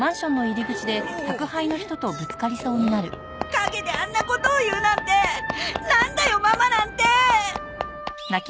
陰であんなことを言うなんてなんだよママなんて！